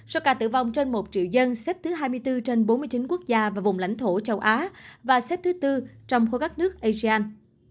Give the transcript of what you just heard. số ca tử vong trên một triệu dân xếp thứ hai mươi bốn trên bốn mươi chín quốc gia và vùng lãnh thổ châu á và xếp thứ tư trong khối các nước asean